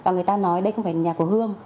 người ta nói đây không phải nhà của hương